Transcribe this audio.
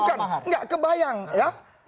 bukan nggak kebayang ya